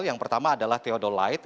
yang pertama adalah theodolite